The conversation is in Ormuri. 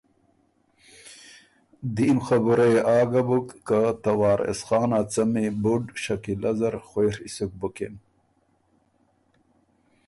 دیم خبُره يې آ ګۀ بُک که ته وارث خان ا څمی بُډ شکیلۀ زر خوېڒی سُک بُکِن۔